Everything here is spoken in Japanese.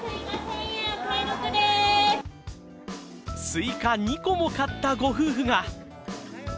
スイカ２個も買ったご夫婦が。